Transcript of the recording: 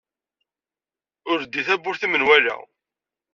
Ur leddey tawwurt i menwala.